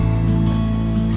akhirnya gak kaku lagi